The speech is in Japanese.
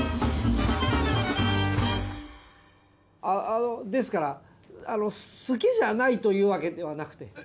ああのですから好きじゃないというわけではなくて。